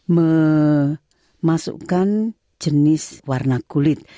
memasukkan jenis warna kulit